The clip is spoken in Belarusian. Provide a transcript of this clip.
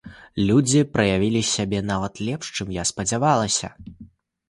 Людзі праявілі сябе нават лепш, чым я спадзявалася.